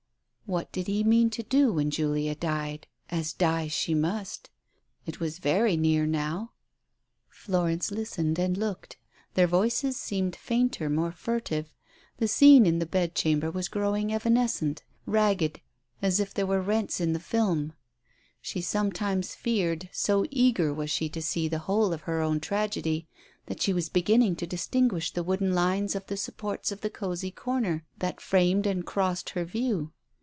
..." What did he mean to do when Julia died, as die she must? It was very near now. Florence listened and f 2 Digitized by Google 68 TALES OF THE UNEASY looked, their voices seemed fainter, more furtive; the scene in the bedchamber was growing evanescent, ra gg e d, as if there were rents in the film. She some times feared, so eager was she to see the whole of her own tragedy, that she was beginning to distinguish the wooden lines of the supports of the cosy corner that framed and crossed her view.